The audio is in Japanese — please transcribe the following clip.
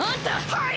はい！